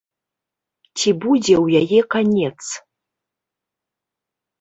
Ці будзе ў яе канец?